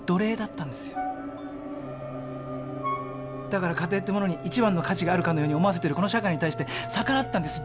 だから家庭ってものに一番の価値があるかのように思わせてるこの社会に対して逆らったんです。